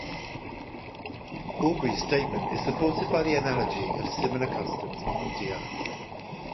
Aubrey's statement is supported by the analogy of similar customs in India.